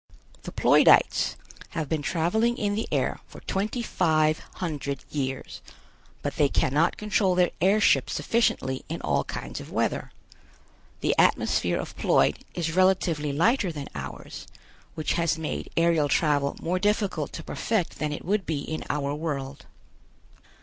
The Ploidites have been traveling in the air for twenty five hundred years, but they cannot control their air ships sufficiently in all kinds of weather. The atmosphere of Ploid is relatively lighter than ours, which has made aerial travel more difficult to perfect than it would be in our world.